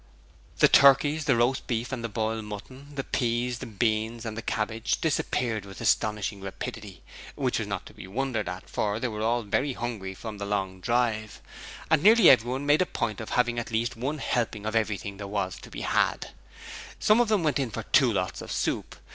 The turkeys, the roast beef and the boiled mutton, the peas and beans and the cabbage, disappeared with astonishing rapidity, which was not to be wondered at, for they were all very hungry from the long drive, and nearly everyone made a point of having at least one helping of everything there was to be had. Some of them went in for two lots of soup.